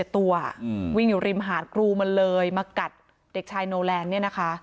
ตัววิ่งอยู่ริมหาดกรูมันเลยมากัดเด็กชายโนแลนด์เนี่ยนะคะ